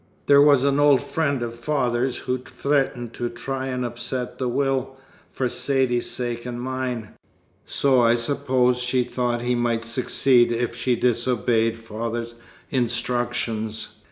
There was an old friend of father's who'd threatened to try and upset the will, for Saidee's sake and mine, so I suppose she thought he might succeed if she disobeyed father's instructions.